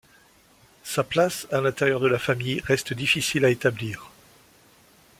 Sa place à l'intérieur de la famille reste difficile à établir.